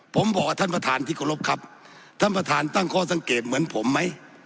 ผมบอกท่านประธานที่เคารพครับท่านประธานตั้งข้อสังเกตเหมือนผมไหม